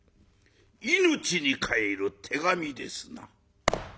命に代える手紙ですな。